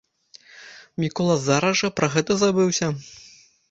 Мікола зараз жа пра гэта забыўся.